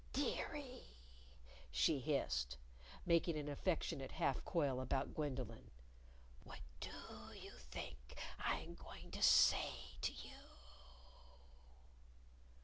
"Dearie," she hissed, making an affectionate half coil about Gwendolyn, "what do you think I'm going to say to you!"